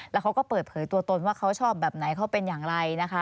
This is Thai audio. แล้วเขาก็เปิดเผยตัวตนว่าเขาชอบแบบไหนเขาเป็นอย่างไรนะคะ